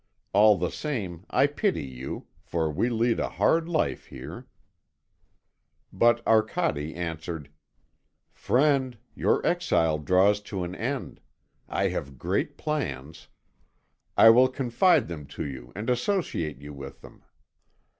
All the same I pity you, for we lead a hard life here." But Arcade answered: "Friend, your exile draws to an end. I have great plans. I will confide them to you and associate you with them."